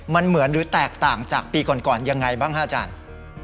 มันเหมือนหรือแตกต่างจากปีก่อนยังไงบ้างฮะอาจารย์